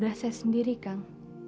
sudah saya sendiri kang